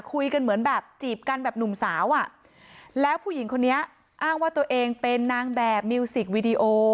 คุยกันเหมือนแบบจีบกันแบบหนุ่มสาวอ่ะแล้วผู้หญิงคนนี้อ้างว่าตัวเองเป็นนางแบบมิวสิกวีดีโอ